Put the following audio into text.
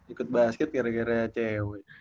ikut basket gara gara cewek